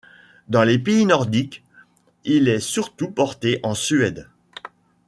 Dans les pays nordiques, il est surtout porté en Suède.